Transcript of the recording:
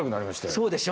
そうでしょ。